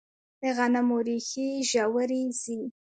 د غنمو ریښې ژورې ځي.